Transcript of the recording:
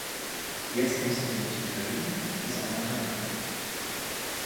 Jetzt müssen wir nicht mehr reden, sondern handeln!